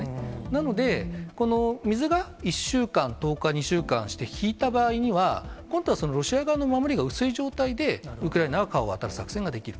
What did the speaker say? なので、この水が１週間、１０日、２週間して、引いた場合には、今度はロシア側の守りが薄い状態で、ウクライナの作戦ができる。